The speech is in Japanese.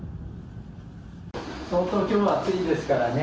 相当、きょうは暑いですからね。